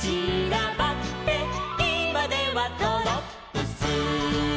「いまではドロップス」